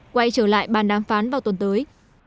quay trở lại bàn đàm phán vào tuần tới